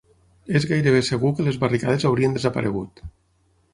...és gairebé segur que les barricades haurien desaparegut